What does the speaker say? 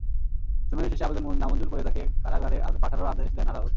শুনানি শেষে আবেদন নামঞ্জুর করে তাঁকে কারাগারে পাঠানোর আদেশ দেন আদালত।